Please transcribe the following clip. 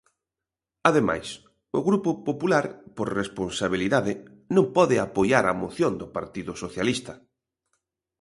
Ademais o Grupo Popular, por responsabilidade, non pode apoiar a moción do Partido Socialista.